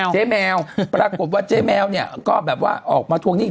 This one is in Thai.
แมวปรากฏว่าเจ๊แมวเนี่ยก็แบบว่าออกมาทวงหนี้